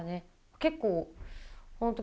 結構本当